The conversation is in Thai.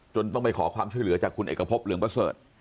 ต้องไปขอความช่วยเหลือจากคุณเอกพบเหลืองประเสริฐ